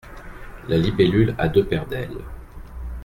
La libellule a deux paires d’ailes.